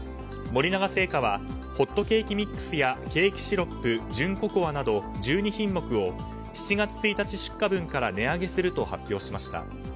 森永製菓はホットケーキミックスやケーキシロップ純ココアなど１２品目を７月１日出荷分から値上げすると発表しました。